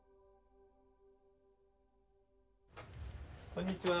こんにちは。